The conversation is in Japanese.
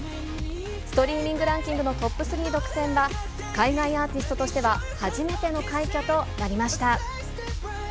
ストリーミングランキングのトップ３独占は、海外アーティストとしては初めての快挙となりました。